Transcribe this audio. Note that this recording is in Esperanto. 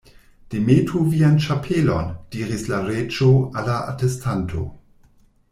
"Demetu vian ĉapelon," diris la Reĝo al la atestanto.